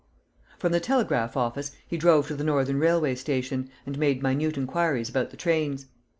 From the telegraph office he drove to the Northern Railway Station, and made minute inquiries about the trains.